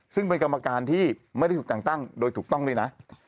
ซึ่งเป็นกรรมการที่ไม่ได้ถูกแต่งตั้งโดยถูกต้องด้วยนะ